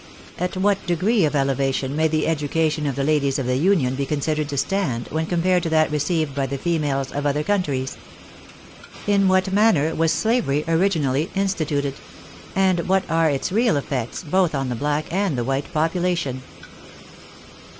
" At what degree of elevation may the education of the ladies of the Union be considered to stand, when compared to that received by the females of other countries ?" In what manner was slavery originally instituted ?" And what are its real effects both on the black and the white population